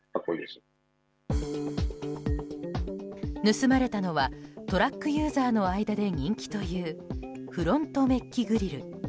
盗まれたのはトラックユーザーの間で人気というフロントメッキグリル。